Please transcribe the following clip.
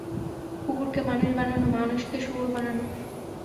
কুকুরকে মানুষ বানানো, মানুষকে শুয়োর বানানো।